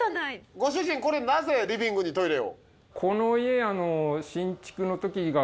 ご主人これなぜリビングにトイレを？